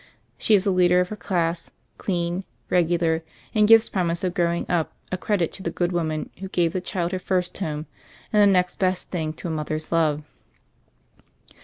She is the leader of her class, clean, regular; and gives promise of grow ing up a credit to the good woman who gave the child her first home and the next best thing to a mother's love.